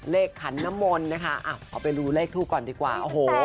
เลขขันนมลนะคะเอาไปรู้เลขทูปก่อนดีกว่า